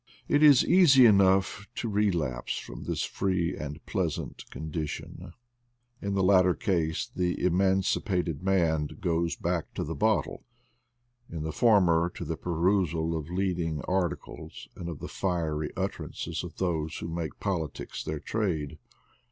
It is easy enough to relapse from this free and pleasant condition; in the latter case the emancipated man goes back to the bottle, in the former to the perusal of leading articles and of the fiery utterances of those who make politics their trade.